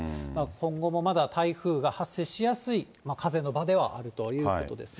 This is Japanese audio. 今後もまだ台風が発生しやすい風の場ではあるということですね。